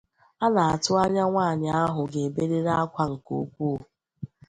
a na-atụ anya nwaanyị ahụ ga-eberịrị ákwá nke ukwuu